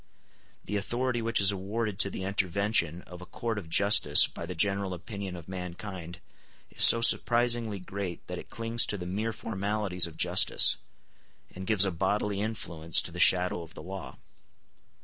The authority which is awarded to the intervention of a court of justice by the general opinion of mankind is so surprisingly great that it clings to the mere formalities of justice, and gives a bodily influence to the shadow of the law.